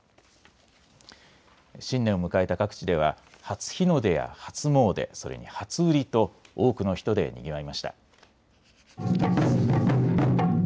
新年を迎えた各地では初日の出や初詣、それに初売りと多くの人でにぎわいました。